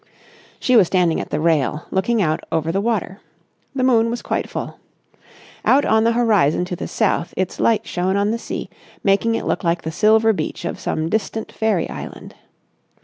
She was standing at the rail, looking out over the water. The moon was quite full. Out on the horizon to the south its light shone on the sea, making it look like the silver beach of some distant fairy island.